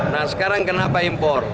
nah sekarang kenapa impor